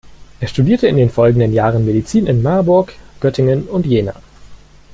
Er studierte in den folgenden Jahren Medizin in Marburg, Göttingen und Jena.